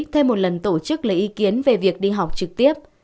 thêm một lần tổ chức lấy ý kiến về việc đi học trực tiếp